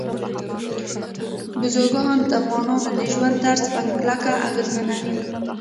بزګان د افغانانو د ژوند طرز په کلکه اغېزمنوي.